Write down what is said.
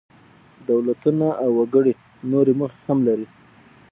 دولتونه او وګړي نورې موخې هم لري.